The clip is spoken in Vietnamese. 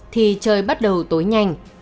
thì trời bắt đầu tối nhanh